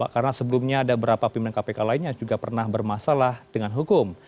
karena sebelumnya ada beberapa pimpinan kpk lain yang juga pernah bermasalah dengan hukum